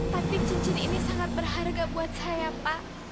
tapi cincin ini sangat berharga buat saya pak